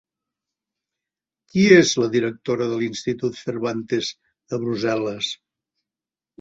Qui és la directora de l'Institut Cervantes de Brussel·les?